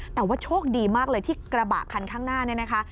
แต่ว่าโชคดีมากเลยที่กระบะคันข้างหน้าเนี่ยนะคะ